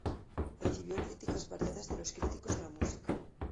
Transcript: Recibió críticas variadas de los críticos de la música.